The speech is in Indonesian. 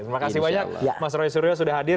terima kasih banyak mas roy suryo sudah hadir